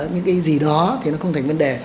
những cái gì đó thì nó không thành vấn đề